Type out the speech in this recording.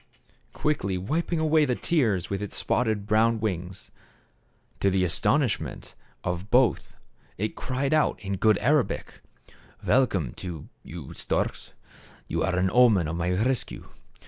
Quickly wiping away the tears with its spotted brown wings, to the astonishment of both, it cried out in good Arabic, " Welcome to you, storks ; you are an omen of my rescue.